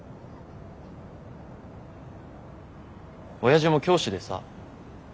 親父も教師でさ。